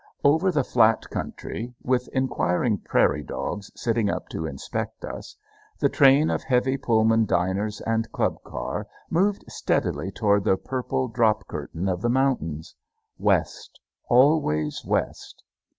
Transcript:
Over the flat country, with inquiring prairie dogs sitting up to inspect us, the train of heavy Pullman diners and club car moved steadily toward the purple drop curtain of the mountains. West, always west.